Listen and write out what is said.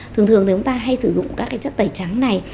thường thường thì chúng ta hay sử dụng các cái chất tẩy trắng này